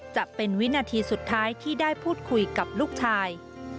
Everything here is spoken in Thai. จะเป็นวินาทีสุดท้ายที่ได้พูดคุยกับลูกชาย